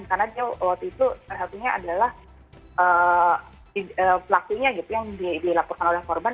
karena dia waktu itu salah satunya adalah pelakunya gitu yang dilaporkan oleh korban